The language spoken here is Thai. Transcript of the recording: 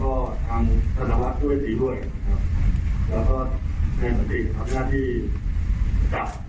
ก็เค้าแค่รู้จักกับพ่อฤทธิธุรกิจมุดงานที่ไปทำงานประเทศไทยบริษัท